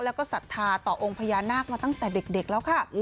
แล้วก็ศรัทธาต่อองค์พญานาคมาตั้งแต่เด็กแล้วค่ะ